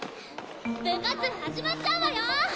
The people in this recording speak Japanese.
部活始まっちゃうわよ！